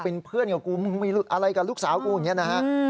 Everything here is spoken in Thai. เป็นเพื่อนกับกูมึงมีอะไรกับลูกสาวกูอย่างนี้นะฮะ